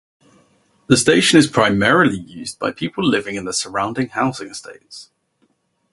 The station is primarily used by people living in the surrounding housing estates.